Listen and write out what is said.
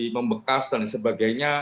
di membekas dan sebagainya